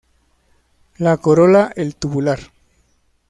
La corola el tubular.